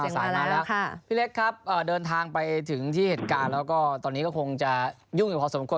สายมาแล้วพี่เล็กครับเดินทางไปถึงที่เหตุการณ์แล้วก็ตอนนี้ก็คงจะยุ่งอยู่พอสมควร